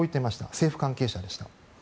政府関係者でした。